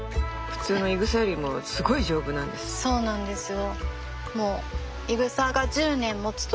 そうなんですよ。